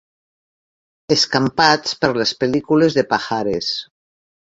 Escampats per les pel·lícules de Pajares.